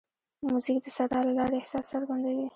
موزیک د صدا له لارې احساس څرګندوي.